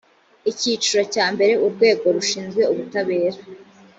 icyiciro cya mbere urwego rushinzwe ubutabera